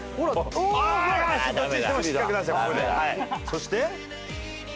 そして。